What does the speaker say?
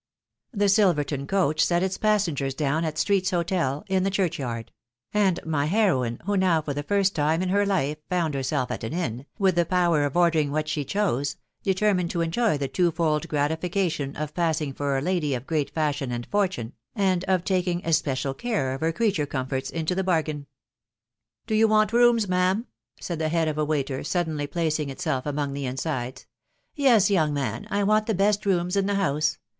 The Silverton coach set its passengers down at Street's Hotel, in the Church yard ; and my heroine, who now for the first time in her life found herself at an inn, with the power of ordering what she chose, determined to enjoy the two fold gratification of passing for a lady of great fashion and fortune, and of taking especial care of her creature comforts into the bargain. " Do you want rooms, ma'am ?" said the head of a waiter, suddenly placing itself among the insides. " Yes, young man, 1 want the best rooms in the house.